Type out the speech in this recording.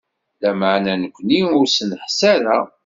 Lameɛna nekni ur s-nḥess ara.